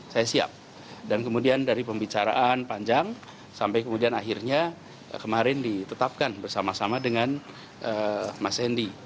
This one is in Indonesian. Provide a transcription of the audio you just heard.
saya siap dan kemudian dari pembicaraan panjang sampai kemudian akhirnya kemarin ditetapkan bersama sama dengan mas hendy